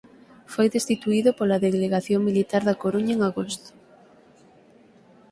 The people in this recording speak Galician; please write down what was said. Foi destituído pola Delegación Militar da Coruña en agosto.